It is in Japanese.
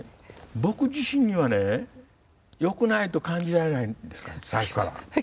僕自身にはねよくないと感じられないんですから最初から。